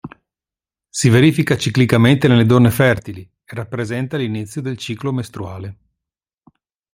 Si verifica ciclicamente nelle donne fertili, e rappresenta l'inizio del ciclo mestruale.